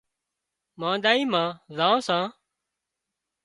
مانۮائي مان زان سان